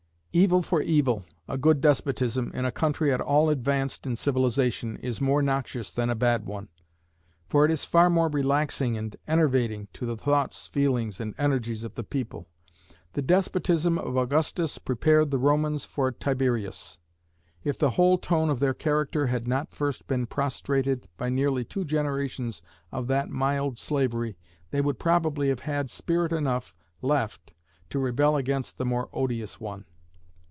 Evil for evil, a good despotism, in a country at all advanced in civilization, is more noxious than a bad one, for it is far more relaxing and enervating to the thoughts, feelings, and energies of the people. The despotism of Augustus prepared the Romans for Tiberius. If the whole tone of their character had not first been prostrated by nearly two generations of that mild slavery, they would probably have had spirit enough left to rebel against the more odious one.